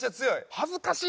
恥ずかしい！